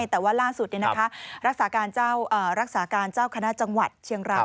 แต่ว่าล่าสุดรักษาการรักษาการเจ้าคณะจังหวัดเชียงราย